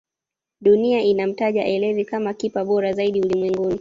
dunia inamtaja elevi kama kipa bora zaidi ulimwenguni